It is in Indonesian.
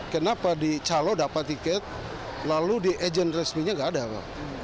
kenapa di calo dapat tiket lalu di agent resminya nggak ada pak